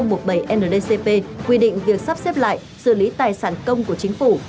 necp quy định việc sắp xếp lại xử lý tài sản công của chính phủ